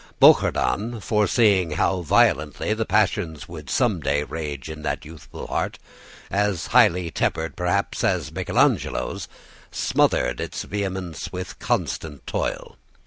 Bouchardon, foreseeing how violently the passions would some day rage in that youthful heart, as highly tempered perhaps as Michelangelo's, smothered its vehemence with constant toil.